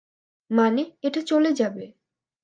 মানে, এটা চলে যাবে।